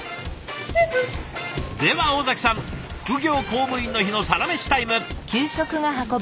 では尾崎さん副業公務員の日のサラメシタイム。